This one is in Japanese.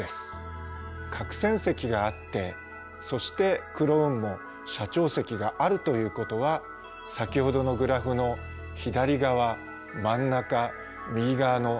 角閃石があってそして黒雲母斜長石があるということは先ほどのグラフの左側真ん中右側のどれになるでしょう？